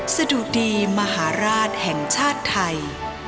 สะดุดีมหาราชแห่งชาติไทย